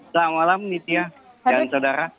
selamat malam nitya dan saudara